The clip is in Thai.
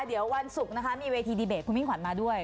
เดี๋ยววันศุกร์นะคะมีเวทีดีเบตคุณมิ่งขวัญมาด้วย